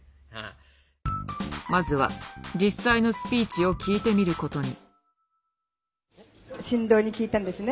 まずは実際のスピーチを聞いてみることに。